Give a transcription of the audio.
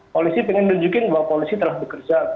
polisi ingin menunjukkan bahwa polisi telah bekerja